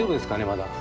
まだ。